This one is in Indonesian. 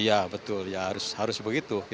iya betul harus begitu